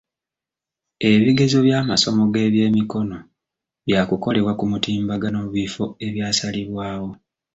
Ebigezo by'amasomo g'ebyemikono bya kukolebwa ku mutimbagano mu bifo ebyasalibwawo.